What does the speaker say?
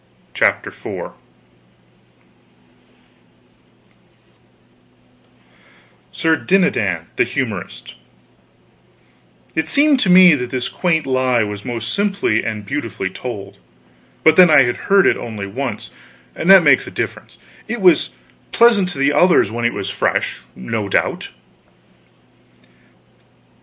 CHAPTER IV SIR DINADAN THE HUMORIST It seemed to me that this quaint lie was most simply and beautifully told; but then I had heard it only once, and that makes a difference; it was pleasant to the others when it was fresh, no doubt.